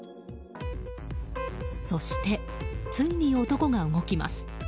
そして、ついに男が動きます。